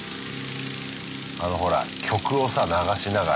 あのほら曲をさ流しながら。